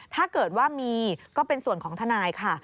ถ้าเกิดว่ามีก็เป็นส่วนของทนายค่ะ